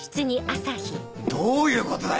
どういうことだよ！